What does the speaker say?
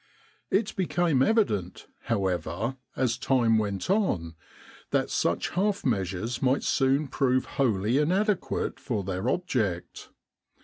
It became evident, however, as time went on, that such half measures might soon prove wholly in adequate for their object.